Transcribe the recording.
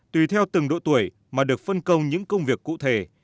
tùy theo từng độ tuổi mà được phân công những công việc cụ thể